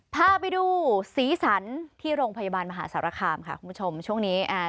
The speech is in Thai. พาไปดูสีสันที่โรงพยาบาลมหาสารคามค่ะคุณผู้ชมช่วงนี้อ่า